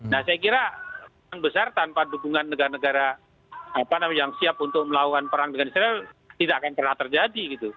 nah saya kira perang besar tanpa dukungan negara negara yang siap untuk melakukan perang dengan israel tidak akan pernah terjadi gitu